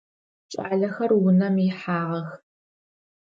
Кӏалэхэр унэм ихьагъэх.